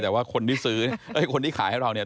แต่ว่าคนที่ซื้อเนี่ยคนที่ขายให้เราเนี่ย